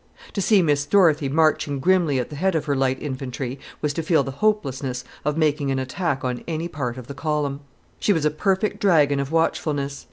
To see Miss Dorothy marching grimly at the head of her light infantry, was to feel the hopelessness of making an attack on any part of the column. She was a perfect dragon of watchfulness.